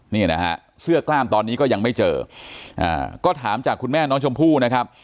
นี่นะฮะเสื้อกล้ามตอนนี้ก็ยังไม่เจอก็ถามจากคุณแม่น้องชมพู่นะครับ